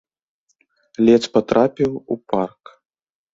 Ледзь патрапіў у парк.